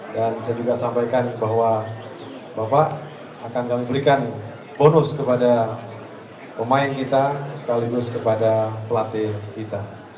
dan saya juga sampaikan bahwa bapak akan kami berikan bonus kepada pemain kita sekaligus kepada pelatih kita